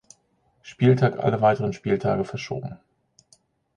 Spieltag alle weiteren Spieltage verschoben.